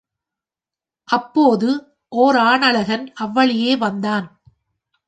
அப்போது ஓராணழகன் அவ்வழியே வந்தான்.